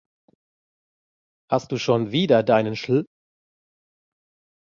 Hast du schon wieder deinen Schl